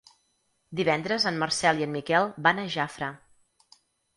Divendres en Marcel i en Miquel van a Jafre.